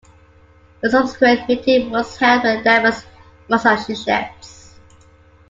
A subsequent meeting was held in Danvers, Massachusetts.